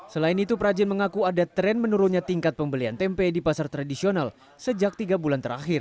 selain itu prajin mengaku ada tren menurunnya tingkat pembelian tempe di pasar tradisional sejak tiga bulan terakhir